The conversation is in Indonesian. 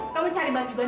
kamu cari bantuan